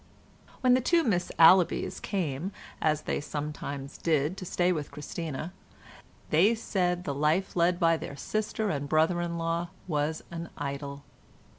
When the two Miss Allabys came, as they sometimes did, to stay with Christina, they said the life led by their sister and brother in law was an idyll.